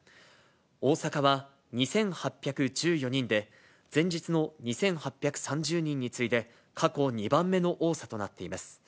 大阪は２８１４人で、前日の２８３０人に次いで、過去２番目の多さとなっています。